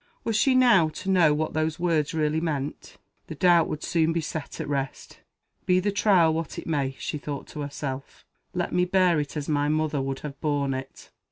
Was she now to know what those words really meant? The doubt would soon be set at rest. "Be the trial what it may," she thought to herself, "let me bear it as my mother would have borne it."